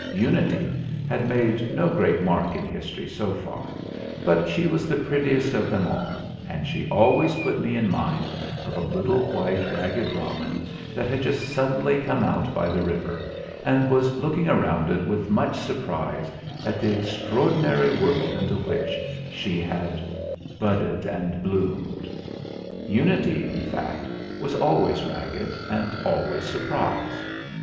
Unity had made no great mark in history so far, but she 66 THE FLINT HEART was the prettiest of them all, and she always put me in mind of a little white ragged robin that had just suddenly come out by the river, and was looking round it with much surprise at the extraordinary world into which she had budded and bloomed. Unity, in fact, was always ragged and always surprised.